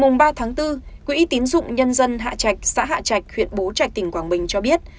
ngày ba bốn quỹ tín dụng nhân dân hạ trạch xã hạ trạch huyện bố trạch tỉnh quảng bình cho biết